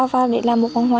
và để làm một bông hoa